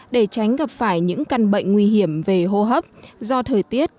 để tránh gặp phải những căn bệnh nguy hiểm về hô hấp do thời tiết